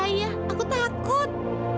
bukannya aku takut